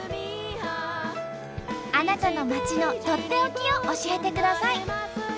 あなたの町のとっておきを教えてください。